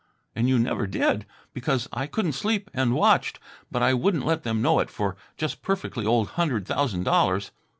And you never did, because I couldn't sleep and watched ... but I wouldn't let them know it for just perfectly old hundred thousand dollars.